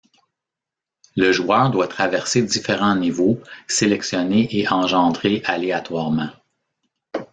Le joueur doit traverser différents niveaux sélectionnés et engendrés aléatoirement.